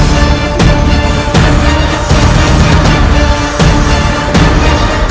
dalam perjalanan yang lebat